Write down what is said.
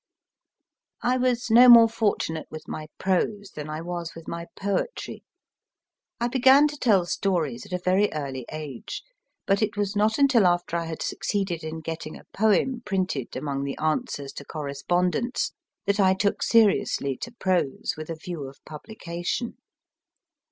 I was no more fortunate with my prose than I was with my poetry. I began to tell stories at a very early age, but it was not until after I had succeeded in getting a poem printed among the f Answers to Correspondents that I took seriously to prose with a view of publication.